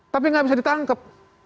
tapi gak bisa ditangkep